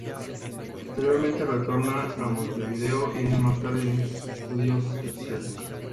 Posteriormente, retorna a Montevideo y años más tarde inicia sus estudios terciarios.